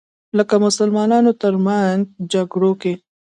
لکه مسلمانانو تر منځ جګړو کې